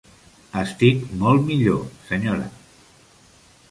Estic molt millor, senyora.